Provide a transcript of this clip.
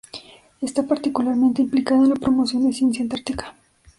Está particularmente implicada en la promoción de ciencia antártica.